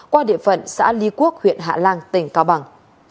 qua địa phận xã ly quốc huyện hạ lan tỉnh cao bằng